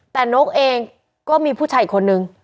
แต่นกเองก็มีผู้ชายอีกคนนึง